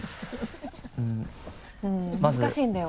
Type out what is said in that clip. うん難しいんだよ。